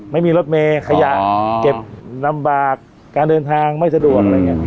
ไม่มีรถเมย์ขยะเก็บลำบากการเดินทางไม่สะดวกอะไรอย่างนี้